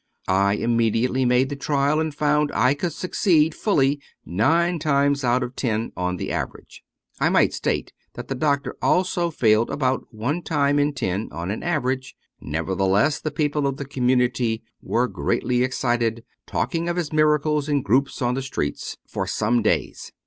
I imme diately made the trial and found I could succeed fully nine times out of ten on an average. I might state that the doctor also failed about one time in ten on an average; nevertheless, the people of the community were greatly ex 255 True Stories of Modern Magic cited, talking of his miracles, in groups on the streets, for some days.